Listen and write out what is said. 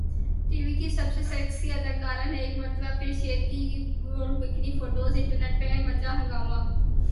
T V کی سب سے سیکسی اداکارہ نے ایک مرتبہ پھر شیئر کی بولڈ بکنی فوٹوز ، انٹرنیٹ پر مچا ہنگامہ